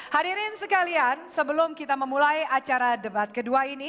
hadirin sekalian sebelum kita memulai acara debat kedua ini